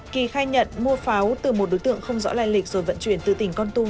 kỳ khai nhận mua pháo từ một đối tượng không rõ lai lịch rồi vận chuyển từ tỉnh con tum